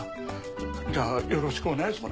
じゃあよろしくお願いしま。